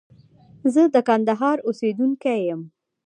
زه د کندهار اوسيدونکي يم.